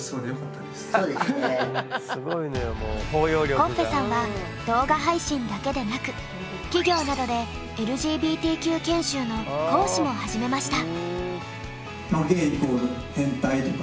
コッフェさんは動画配信だけでなく企業などでＬＧＢＴＱ研修の講師も始めました。